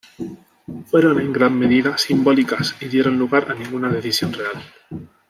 Fueron en gran medida simbólicas y dieron lugar a ninguna decisión real.